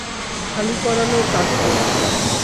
খালি করানোর কাজ চলছে।